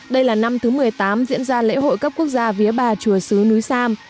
đây là năm thứ một mươi tám diễn ra lễ hội cấp quốc gia vía bà chùa sứ núi sam